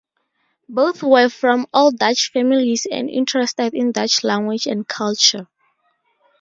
Both were from old Dutch families and interested in Dutch language and culture.